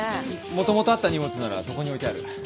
もともとあった荷物ならそこに置いてある。